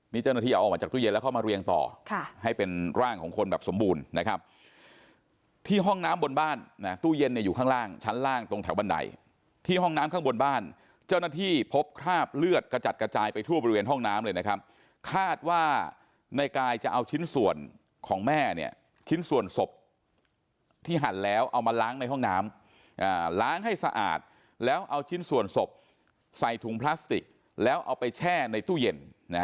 นี่เจ้าหน้าที่เอาออกมาจากตู้เย็นแล้วเข้ามาเรียงต่อให้เป็นร่างของคนแบบสมบูรณ์นะครับที่ห้องน้ำบนบ้านนะตู้เย็นเนี่ยอยู่ข้างล่างชั้นล่างตรงแถวบันไดที่ห้องน้ำข้างบนบ้านเจ้าหน้าที่พบคราบเลือดกระจัดกระจายไปทั่วบริเวณห้องน้ำเลยนะครับคาดว่าในกายจะเอาชิ้นส่วนของแม่เนี่ยชิ้นส่วนศพที่หัน